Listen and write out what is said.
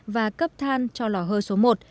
và cấp than cho lò hơi xuống